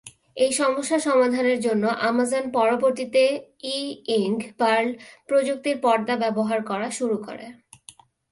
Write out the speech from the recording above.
এই সমস্যা সমাধানের জন্য আমাজন পরবর্তীতে ই-ইঙ্ক পার্ল প্রযুক্তির পর্দা ব্যবহার করা শুরু করে।